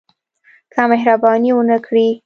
که مهرباني ونه کړي.